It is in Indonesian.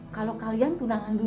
kalau kalian tunangan dulu